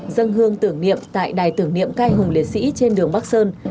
dâng hương tưởng niệm tại đài tưởng niệm cai hùng liệt sĩ trên đường bắc sơn